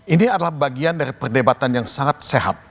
ini adalah bagian dari perdebatan yang sangat sehat